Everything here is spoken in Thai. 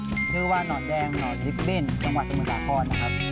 ชื่อว่าหนอนแดงหนอนริบบินจังหวัดสมรรถาข้อนนะครับ